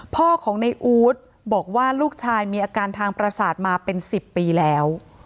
พ่อของในอู๊ดบอกว่าลูกชายมีอาการทางประสาทมาเป็น๑๐ปีแล้ว